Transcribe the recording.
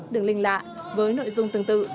đừng linh lạ với nội dung tương tự